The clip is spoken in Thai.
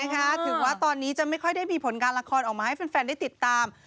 ถึงว่าตอนนี้จะไม่ค่อยได้มีผลงานละครออกมาให้แฟนได้ติดตาม